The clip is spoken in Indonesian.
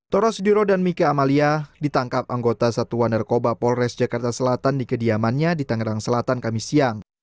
toro sudiro dan mika amalia ditangkap anggota satuan narkoba polres jakarta selatan di kediamannya di tangerang selatan kami siang